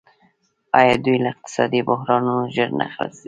آیا دوی له اقتصادي بحرانونو ژر نه وځي؟